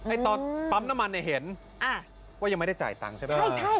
ไอ้ตอนปั๊มน้ำมันเนี้ยเห็นอ่ะว่ายังไม่ได้จ่ายตังค์ใช่ไหมใช่ใช่